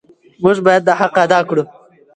موږ باید دا حق ادا کړو.